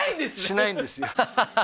しないんですよははは